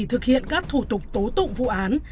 thực hiện các thủ tục tố tụng vụ án